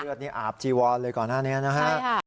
เลือดนี่อาบจีวอลเลยก่อนหน้านี้นะครับ